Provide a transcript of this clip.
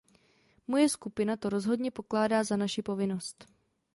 Moje skupina to rozhodně pokládá za naši povinnost.